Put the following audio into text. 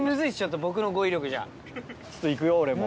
ちょっと行くよ俺も。